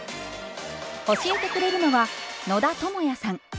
教えてくれるのは野田智也さん。